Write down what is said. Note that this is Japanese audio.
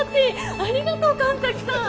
ありがとう神崎さん。